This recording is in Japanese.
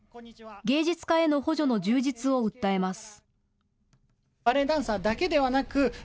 芸術家への補助の充実を訴えます。